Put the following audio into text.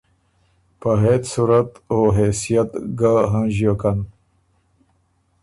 په هېڅ صورت او حېثئت ګۀ هنݫیوکن۔